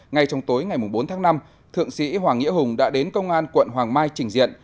ngay trong tối ngày bốn tháng năm thượng sĩ hoàng nghĩa hùng đã đến công an quận hoàng mai trình diện